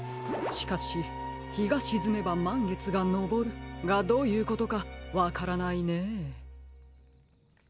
しかし「日がしずめばまんげつがのぼる」がどういうことかわからないね。